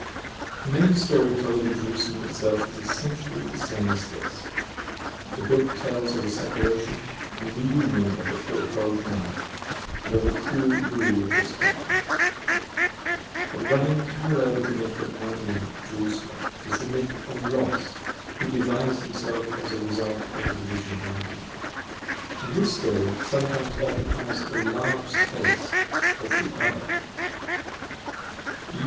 The main story told in "Jerusalem" itself is essentially the same as this: the book tells of the separation and reunion of the fourfold man, and of the cruel rule of the Speclre. But running parallel with the myth of Albion and Jerusalem is the myth of Los, who himself divides as a result of the division of Albion: and his story sometimes occupies as large a space as the other, e.